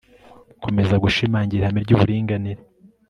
gukomeza gushimangira ihame ry'uburinganire